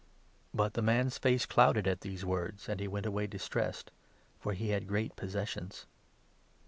But the man's face clouded at these words, and he went away 22 distressed, for he had great possessions.